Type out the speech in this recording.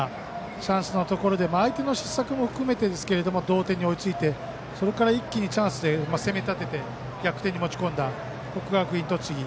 チャンスのところで相手の失策も含めてですけれども同点に追いついてそれから一気にチャンスで攻め立てて逆転に持ち込んだ国学院栃木。